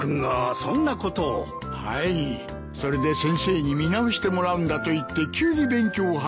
それで先生に見直してもらうんだと言って急に勉強を始めまして。